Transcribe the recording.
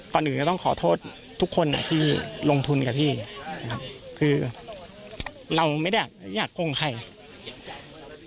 ก่อนอื่นก็ต้องขอโทษทุกคนที่ลงทุนกับพี่นะครับคือเราไม่ได้อยากโกงใคร